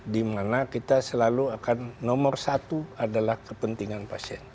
dimana kita selalu akan nomor satu adalah kepentingan pasien